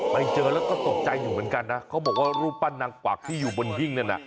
ไปเจอแล้วก็ตกใจอยู่เหมือนกันนะเขาบอกว่ารูปปั้นนางกวักที่อยู่บนหิ้งนั่นน่ะ